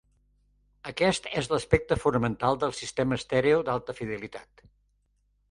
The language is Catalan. Aquest és l'aspecte fonamental del sistema estèreo d'alta fidelitat.